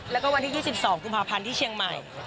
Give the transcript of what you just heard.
แล้วก็วันที่๒๒กุมภาพันธ์ที่เชียงใหม่